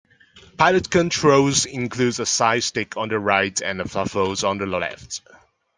Pilot controls include a side-stick on the right and a throttle on the left.